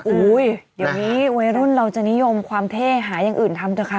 อุ้ยเดี๋ยวนี้วัยรุ่นเราจะนิยมความเท่หาอย่างอื่นทำเถอะค่ะ